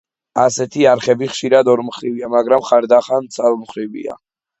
ასეთი არხები ხშირად ორმხრივია, მაგრამ ხანდახან ცალმხრივია.